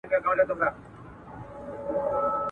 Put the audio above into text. د جګړي زیانونه په اسانۍ سره نه جبران کیږي.